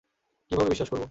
কীভাবে বিশ্বাস করবো?